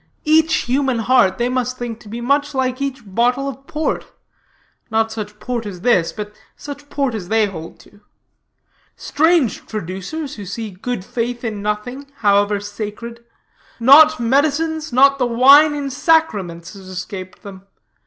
Each human heart they must think to be much like each bottle of port, not such port as this, but such port as they hold to. Strange traducers, who see good faith in nothing, however sacred. Not medicines, not the wine in sacraments, has escaped them.